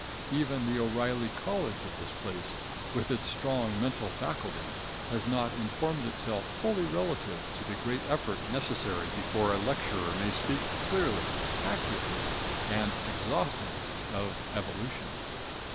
Even the O'Reilly College of this place, with its strong mental faculty, has not informed itself fully relative to the great effort necessary before a lecturer may speak clearly, accurately and exhaustingly of evolution.